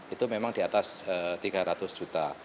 itu memang di atas tiga ratus juta